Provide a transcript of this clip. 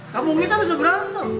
kampung kita masih berantem